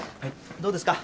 どうですか？